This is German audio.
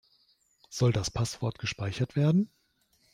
Soll das Passwort gespeichert werden?